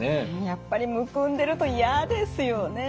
やっぱりむくんでると嫌ですよね。